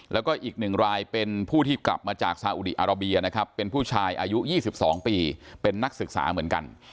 แล้วก็อีก๑รายเป็นผู้ที่กลับมาจากซาอุดีอาราเบียนะครับเป็นผู้ชายอายุ๒๒ปีเป็นนักศึกษาเหมือนกัน